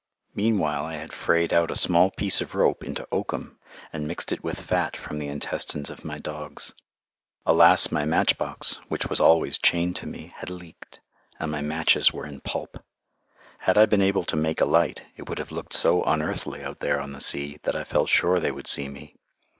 Meanwhile I had frayed out a small piece of rope into oakum, and mixed it with fat from the intestines of my dogs. Alas, my match box, which was always chained to me, had leaked, and my matches were in pulp. Had I been able to make a light, it would have looked so unearthly out there on the sea that I felt sure they would see me.